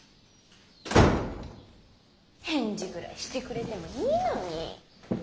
返事ぐらいしてくれてもいいのに。